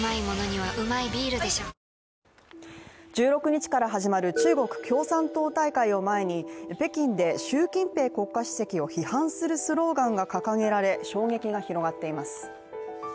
１６日から始まる中国共産党大会を前に北京で習近平国家主席を批判するスローガンが掲げられ衝撃が広がっています。